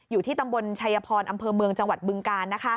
อยู่ที่ตำบลชัยพรอำเภอเมืองจังหวัดบึงกาล